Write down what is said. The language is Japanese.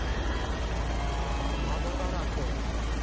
あ窓だらけ。